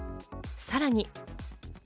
さらに。